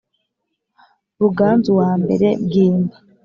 ruganzu wa mbere bwimba